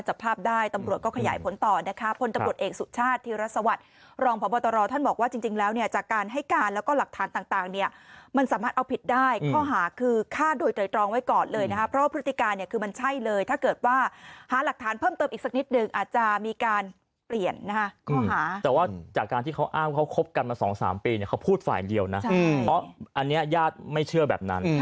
จริงแล้วเนี่ยจากการให้การแล้วก็หลักฐานต่างเนี่ยมันสามารถเอาผิดได้ข้อหาคือฆ่าโดยตรายตรองไว้ก่อนเลยนะครับเพราะพฤติการเนี่ยคือมันใช่เลยถ้าเกิดว่าหาหลักฐานเพิ่มเติบอีกสักนิดนึงอาจจะมีการเปลี่ยนนะครับข้อหาแต่ว่าจากการที่เขาอ้าวเขาครบกันมาสองสามปีเนี่ยเขาพูดฝ่ายเดียวนะเพรา